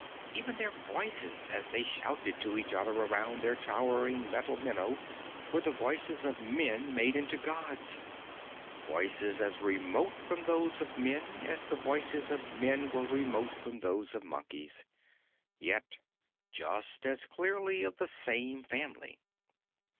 Even their voices, as they shouted to each other around their towering metal minnow, were the voices of men made into gods, voices as remote from those of men as the voices of men were remote from those of monkeys, yet just as clearly of the same family.